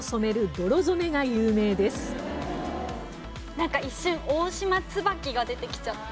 なんか一瞬大島椿が出てきちゃって。